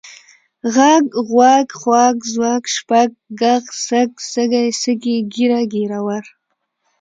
غږ، غوږ، خوَږ، ځوږ، شپږ، ږغ، سږ، سږی، سږي، ږېره، ږېروَر .